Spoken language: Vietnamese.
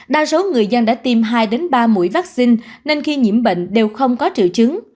đa số người dân đã tiêm hai ba mũi vaccine nên khi nhiễm bệnh đều không có triệu chứng